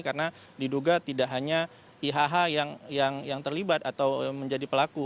karena diduga tidak hanya iah yang terlibat atau menjadi pelaku